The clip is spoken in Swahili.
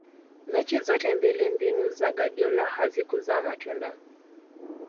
mechi zote mbili mbinu za guardiola hazikuzaa matunda